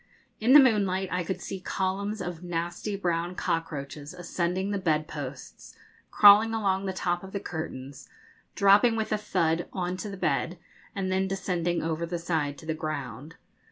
In the moonlight I could see columns of nasty brown cockroaches ascending the bedposts, crawling along the top of the curtains, dropping with a thud on to the bed, and then descending over the side to the ground.